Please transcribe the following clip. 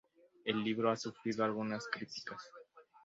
El libro ha sufrido algunas críticas.